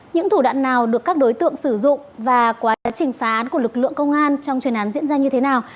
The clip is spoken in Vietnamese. những thủ đoạn nào được các đối tượng sử dụng và quá trình phá án của lực lượng công an trong chuyên án diễn ra như thế nào